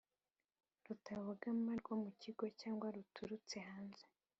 rutabogama rwo mu kigo cyangwa ruturutse hanze